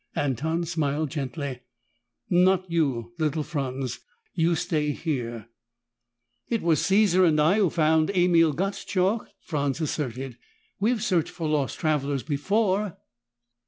Anton smiled gently. "Not you, little Franz. You stay here." "It was Caesar and I who found Emil Gottschalk!" Franz asserted. "We've searched for lost travelers before!"